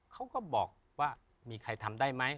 เขาก็บอกว่ามีใครทำได้ไหม